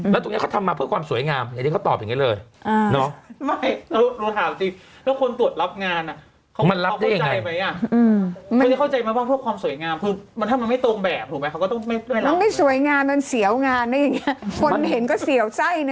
แล้วตรงนี้เขาทำมาเพื่อความสวยงามอันนี้เขาตอบอย่างนี้เลย